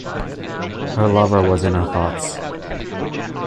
Her lover was in her thoughts.